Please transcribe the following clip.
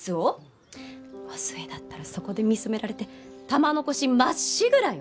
お寿恵だったらそこで見初められて玉のこしまっしぐらよ！